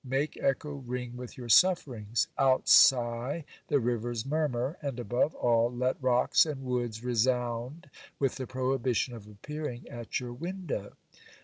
Make echo ring with your sufferings ; outsigh the river's murmur ; and, above al, let rocks and woods resound with the prohibition of appearing at your window.